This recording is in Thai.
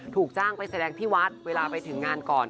ถูกจ้างไปแสดงที่วัดเวลาไปถึงงานก่อน